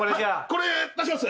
これ足します。